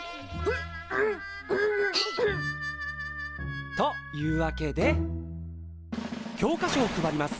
ヘッ！というわけで教科書を配ります。